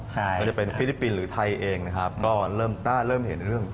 จะเป็นฟิลิปปินหรือไทยเอง